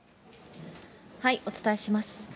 お伝えします。